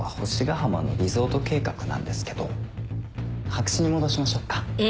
浜のリゾート計画なんですけど白紙に戻しましょっか。